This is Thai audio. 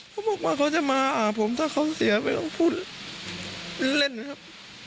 เขาบอกว่าเขาจะมาหาผมถ้าเขาเสียไม่ต้องพูดเล่นนะครับ